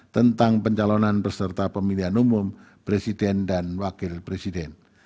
tentang pencalonan peserta pemilihan umum presiden dan wakil presiden